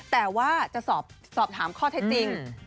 แต่ว่าจะสอบถามข้อเท็จจริง